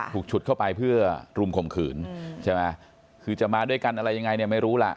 ฉุดเข้าไปเพื่อรุมข่มขืนใช่ไหมคือจะมาด้วยกันอะไรยังไงเนี่ยไม่รู้ล่ะ